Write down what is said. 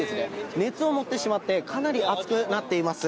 熱を持ってしまって、かなり熱くなっています。